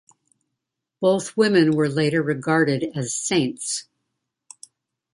Both women were later regarded as saints.